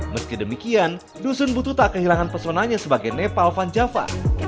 meski demikian dusun butuh tak kehilangan pesonanya sebagai nepal van java